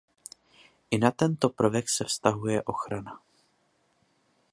I na tento prvek se vztahuje ochrana.